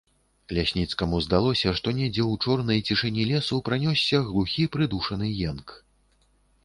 Лясніцкаму здалося, што недзе ў чорнай цішыні лесу пранёсся глухі прыдушаны енк.